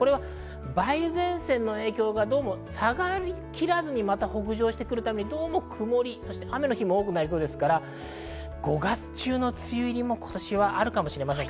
梅雨前線の影響がどうも下がりきらずに北上してくるために、曇り、そして雨の日も多くなりそうですから５月中の梅雨入りも今年はあるかもしれません。